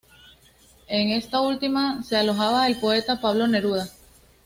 En esta última se alojaba el poeta Pablo Neruda.